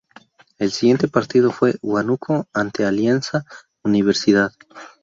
El siguiente partido fue en Huánuco ante Alianza Universidad.